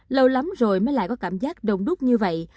lâu lắm rồi mới lại có cảm giác đông đúc như vậy